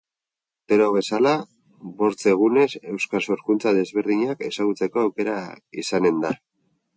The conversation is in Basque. Urtero bezala, bortz egunez, euskal sorkuntza desberdinak ezagutzeko aukera izanen da.